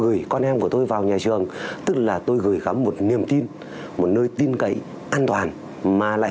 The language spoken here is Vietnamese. gửi con em của tôi vào nhà trường tức là tôi gửi gắm một niềm tin một nơi tin cậy an toàn mà lại